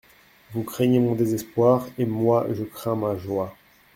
Vous craignez mon désespoir, et moi, je crains ma joie.